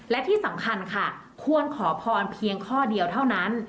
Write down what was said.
และที่สำคัญค่ะควรขอพรเพียงข้อเดียวเท่านั้น